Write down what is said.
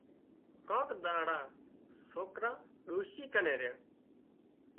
ڪانڪ ۮاڙا سوڪران ڏوشِي ڪنين ريا